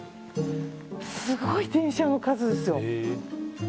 すごい電車の数ですよ。